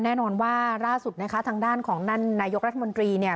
แน่นอนว่าล่าสุดนะคะทางด้านของนั่นนายกรัฐมนตรีเนี่ย